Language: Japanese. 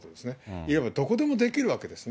いわばどこでもできるわけですね。